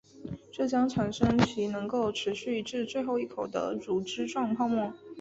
这将产生其能够持续至最后一口的乳脂状泡沫。